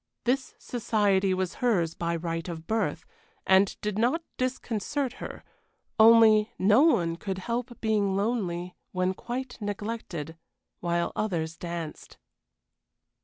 This society was hers by right of birth, and did not disconcert her; only no one could help being lonely when quite neglected, while others danced.